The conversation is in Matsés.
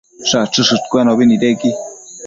Shachëshëdcuenobi nidequi